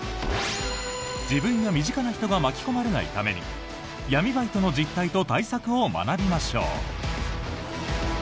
自分や身近な人が巻き込まれないために闇バイトの実態と対策を学びましょう。